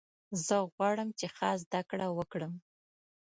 زه غواړم چې ښه زده کړه وکړم.